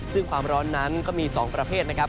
ซึ่งความร้อนนั้นก็มี๒ประเภทนะครับ